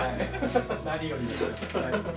何よりです。